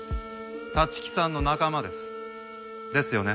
立木さんの仲間です。ですよね？